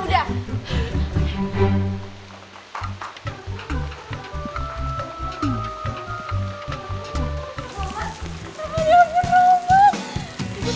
apa dia ber roman